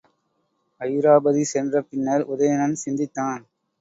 அயிராபதி சென்ற பின்னர் உதயணன் சிந்தித்தான்.